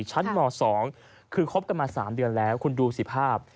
ชั้นม๒คือคบกันมา๓เดือนแล้วคุณดูสิภาพ